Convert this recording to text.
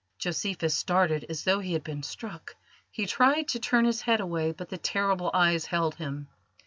Josephus started as though he had been struck. He tried to turn his head away, but the terrible eyes held him.